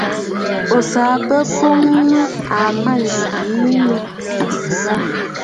O saꞌa bə̂ bo aa nɨ mânjì yìi mə à tsìnə aà.